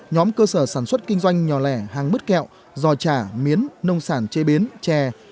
nhóm cơ sở sản xuất kinh doanh nhỏ lẻ hàng mứt kẹo giò chả miến nông sản chế biến chè